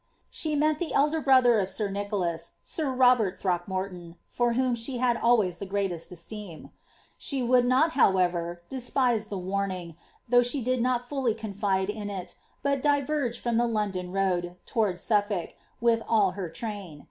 ''* She meant the elder brother of sir Nicholas, sir Phrockinorton, for whom slie had always the greatest esteem, ould not, however, despise tlie warning, though she did not fully in it, but diverged from the London road, towards Suffolk, with rain.